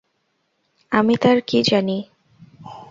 আমি তার কী জানি?